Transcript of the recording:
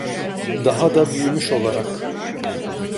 Daha da büyümüş olarak.